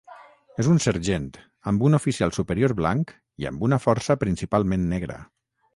És un sergent, amb un oficial superior blanc i amb una força principalment negra.